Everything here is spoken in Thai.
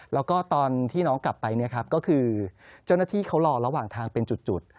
แล้วก็ตอนที่น้องกลับไปเนี่ยครับก็คือเจ้าหน้าที่เขารอระหว่างทางเป็นจุด